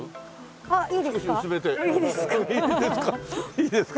「いいですか？」